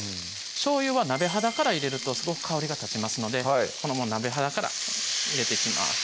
しょうゆは鍋肌から入れるとすごく香りが立ちますので鍋肌から入れていきます